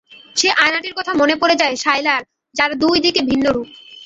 সেই আয়নাটির কথা মনে পড়ে যায় শায়লার যার দুই দিকে ভিন্ন রূপ।